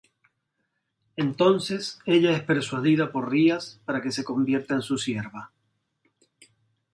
Entonces ella es persuadida por Rias para que se convierta en su sierva.